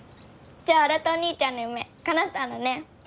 じゃあ新お兄ちゃんの夢かなったんだね。